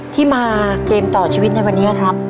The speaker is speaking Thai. ที่มาเกมต่อชีวิตในวันนี้ครับ